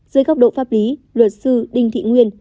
dưới góc độ pháp lý luật sư đinh thị nguyên